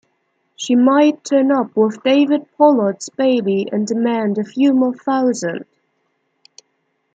She might turn up with David Pollard's baby and demand a few more thousand.